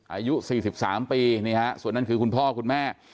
อายุ๔๓ปีนี่ฮะส่วนนั้นคือคุณพ่อคุณแม่